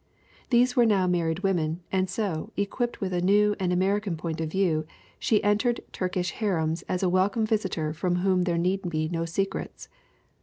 These were now married women, and so, equipped with a new and American point of view, she entered Turkish harems as a welcome visitor from whom there need be no secrets.